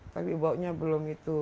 tapi baunya belum itu